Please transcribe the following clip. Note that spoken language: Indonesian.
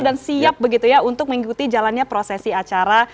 dan siap begitu ya untuk mengikuti jalannya prosesi acara